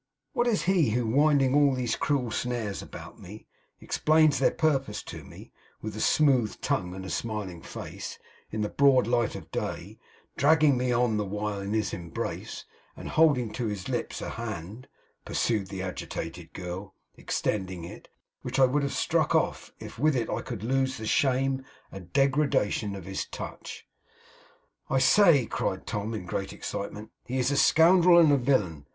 What is he who, winding all these cruel snares about me, explains their purpose to me, with a smooth tongue and a smiling face, in the broad light of day; dragging me on, the while, in his embrace, and holding to his lips a hand,' pursued the agitated girl, extending it, 'which I would have struck off, if with it I could lose the shame and degradation of his touch?' 'I say,' cried Tom, in great excitement, 'he is a scoundrel and a villain!